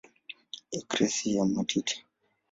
Eksirei ya matiti.